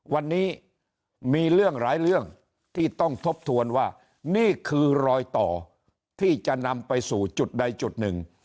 วันนี้มีเรื่องหลายเรื่องที่ต้องทบทวนว่านี่คือรอยต่อที่จะนำไปสู่จุดใดจุดหนึ่ง